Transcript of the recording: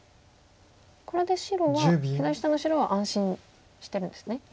これで白は左下の白は安心してるんですね。